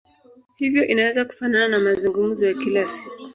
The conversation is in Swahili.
Hivyo inaweza kufanana na mazungumzo ya kila siku.